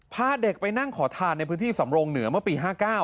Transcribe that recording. พาเด็กไปนั่งขอทานในพื้นที่สำรงเหนือเมื่อปี๕๙